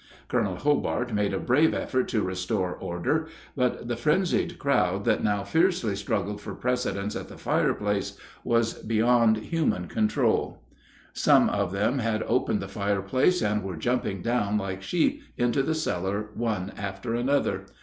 Colonel Hobart made a brave effort to restore order, but the frenzied crowd that now fiercely struggled for precedence at the fireplace was beyond human control. Some of them had opened the fireplace and were jumping down like sheep into the cellar one after another.